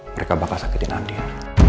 mereka bakal sakitin andien